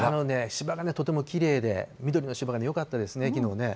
芝がとてもきれいで、緑の芝がよかったですね、きのうね。